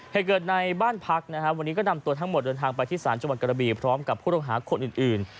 เหตุเกิดในบ้านพักนะครับวันนี้ก็นำตัวทั้งหมดเดินทางไปที่ศาลจังหวัดกระบีพร้อมกับผู้ต้องหาคนอื่น